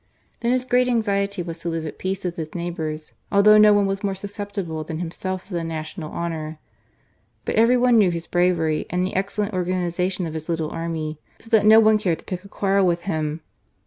Then his great anxiety was to live at peace with his neighbours, although no one was more susceptible than himself of the national honour. But every one knew his bravery, and the excellent organization of his little army, so that no one cared to pick a quarrel with him.